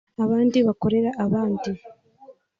abandi bakorera abandi